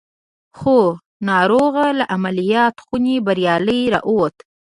خو ناروغ له عمليات خونې بريالي را ووت.